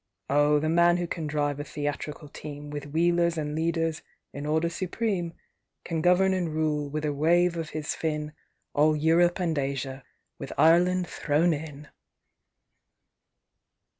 Oh, the man who can drive a theatrical team, With wheelers and leaders in order supreme, Can govern and rule, with a wave of his fin, All Europe and Asia—with Ireland thrown in!